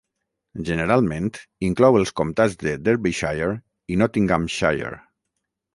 Generalment inclou els comtats de Derbyshire i Nottinghamshire.